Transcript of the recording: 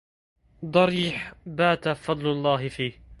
ضريح بات فضل الله فيه